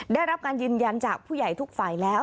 ได้รับการยืนยันจากผู้ใหญ่ทุกฝ่ายแล้ว